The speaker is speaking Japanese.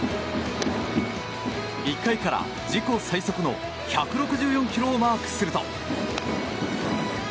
１回から自己最速の１６４キロをマークすると。